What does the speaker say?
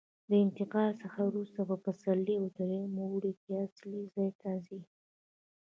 له انتقال څخه وروسته په پسرلي او درېیم اوړي کې اصلي ځای ته ځي.